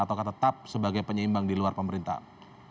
atau tetap sebagai penyeimbang di luar pemerintahan